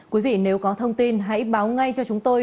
quý vị nếu có thông tin hãy báo ngay cho chúng tôi